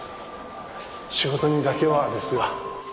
「仕事にだけは」ですが。